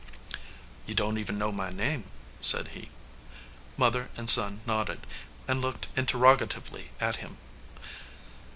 "You don t even know my name," said he. Mother and son nodded, and looked interroga tively at him.